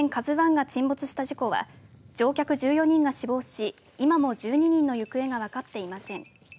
ＫＡＺＵＩが沈没した事故は乗客１４人が死亡し今も１２人の行方が分かっていません。